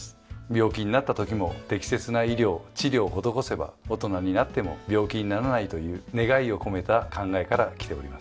病気になったときも適切な医療・治療を施せば大人になっても病気にならないという願いを込めた考えからきております。